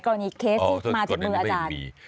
กรณีเคสที่มาถึงมืออาจารย์